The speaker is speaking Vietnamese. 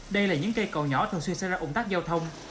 đây là những cây cầu nhỏ thường xuyên xây ra ủng tắc giao thông